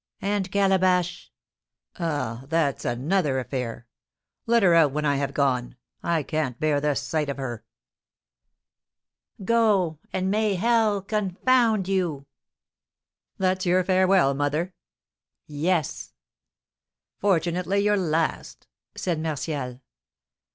"And Calabash?" "Ah, that's another affair! Let her out when I have gone. I can't bear the sight of her." "Go, and may hell confound you!" "That's your farewell, mother?" "Yes." "Fortunately your last!" said Martial.